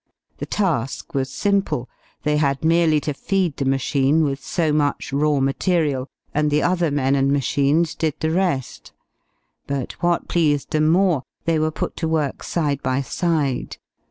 The task was simple; they had merely to feed the machine with so much raw material, and the other men and machines did the rest. But what pleased them more, they were put to work side by side.